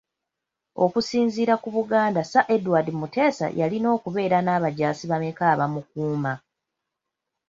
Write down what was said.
Okusinziira ku Buganda Sir Edward Muteesa yalina okubeera n’abajaasi bameka abamukuuma?